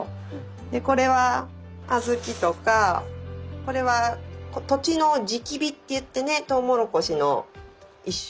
でこれは小豆とかこれは土地の地キビって言ってねトウモロコシの一種。